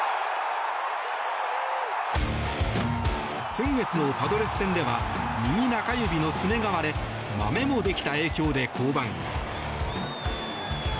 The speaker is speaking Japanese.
先月のパドレス戦では右中指の爪が割れまめもできた影響で降板。